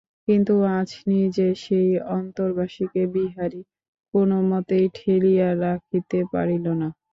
কিন্তু আজ নিজের সেই অন্তরবাসীকে বিহারী কোনোমতেই ঠেলিয়া রাখিতে পারিল না।